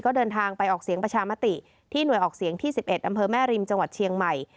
ก็เดินทางไปออกเสียงประชามติที่หน่วยออกเสียงที่๑๑อำเภอแม่ริมจังหวัดเชียงใหม่